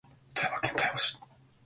富山県富山市